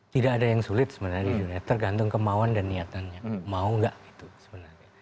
tidak ada yang sulit sebenarnya di dunia tergantung kemauan dan niatannya mau nggak itu sebenarnya